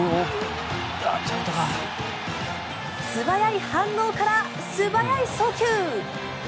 素早い反応から素早い送球。